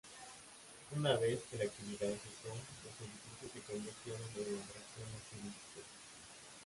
Una vez que la actividad cesó, los edificios se convirtieron en atracciones turísticas.